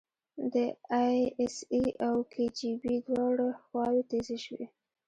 د ای اس ای او کي جی بي دواړه خواوې تیزې شوې.